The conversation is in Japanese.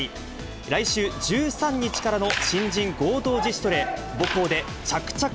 来週１３日からの新人合同自主トレ。